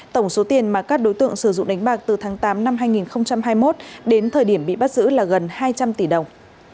tổng số tiền mà các đối tượng sử dụng đánh bạc từ tháng tám năm hai nghìn hai mươi một đến thời điểm bị bắt giữ là gần hai trăm linh tỷ đồng